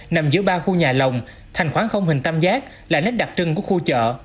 nằm giữa ba khu nhà lồng thành khoảng không hình tam giác là nét đặc trưng của khu chợ